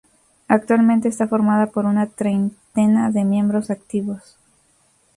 Actualmente está formada por una treintena de miembros activos.